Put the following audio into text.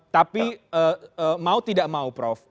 tapi mau tidak mau prof